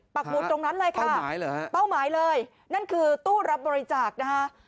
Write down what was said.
ปากหมูตรงนั้นเลยค่ะเป้าหมายเหรอเป้าหมายเลยนั่นคือตู้รับบริจาคนะคะ